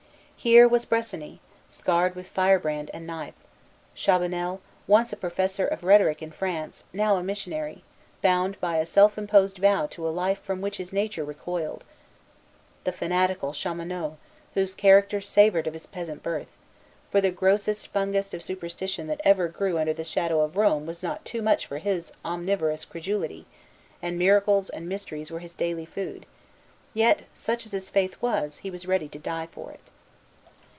Here was Bressani, scarred with firebrand and knife; Chabanel, once a professor of rhetoric in France, now a missionary, bound by a self imposed vow to a life from which his nature recoiled; the fanatical Chaumonot, whose character savored of his peasant birth, for the grossest fungus of superstition that ever grew under the shadow of Rome was not too much for his omnivorous credulity, and miracles and mysteries were his daily food; yet, such as his faith was, he was ready to die for it.